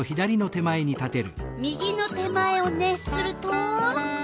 右の手前を熱すると？